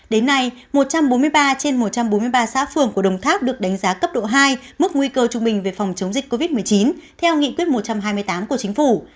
đến nay một trăm bốn mươi ba trên một trăm bốn mươi ba xã phường của đồng tháp được đánh giá cấp độ hai mức nguy cơ trung bình về phòng chống dịch covid một mươi chín theo nghị quyết một trăm hai mươi tám của chính phủ